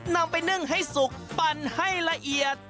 นำไปนึ่งให้สุกปั่นให้ละเอียด